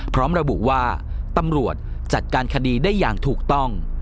พร้อมระบุว่าตำรวจจัดการคดีได้อย่างถูกต้อง